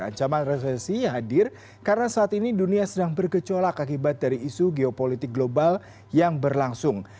ancaman resesi hadir karena saat ini dunia sedang bergecolak akibat dari isu geopolitik global yang berlangsung